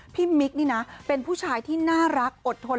มิ๊กนี่นะเป็นผู้ชายที่น่ารักอดทน